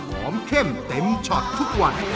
เข้มเต็มช็อตทุกวัน